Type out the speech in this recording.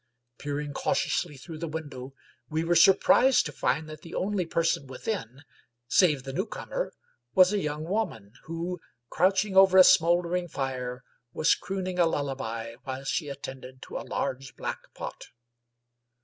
Peering cautiously through the window we were surprised to find that the only person within, save the newcomer, was a young woman, who, crouching over a smoldering fire, was crooning a lullaby while she attended to a large black pot.